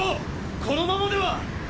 このままでは。